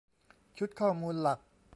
ชุดข้อมูลหลัก